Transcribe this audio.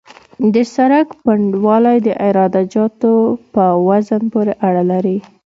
د سرک پنډوالی د عراده جاتو په وزن پورې اړه لري